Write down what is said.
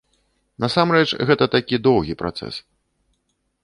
Насамрэч, гэта такі доўгі працэс.